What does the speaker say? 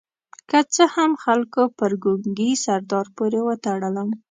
که څه هم خلکو پر ګونګي سردار پورې وتړلم.